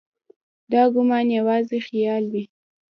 دا ګومان یوازې خیال وي.